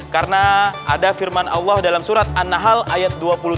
karena ada firman allah dalam surat an nahl ayat dua puluh tiga